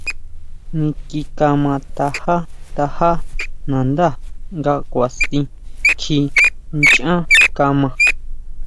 Niki kama tajá, tajá nandá nga kʼua si kjí nachan kama.